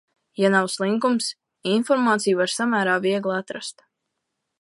Ja nav slinkums, informāciju var samērā viegli atrast.